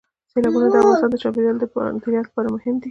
سیلابونه د افغانستان د چاپیریال د مدیریت لپاره مهم دي.